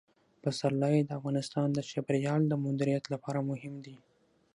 پسرلی د افغانستان د چاپیریال د مدیریت لپاره مهم دي.